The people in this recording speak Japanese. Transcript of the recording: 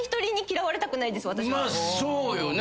まっそうよね